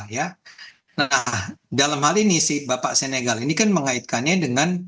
nah dalam hal ini si bapak senegal ini kan mengaitkannya dengan